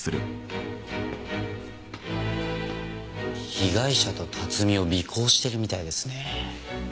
被害者と辰巳を尾行してるみたいですね。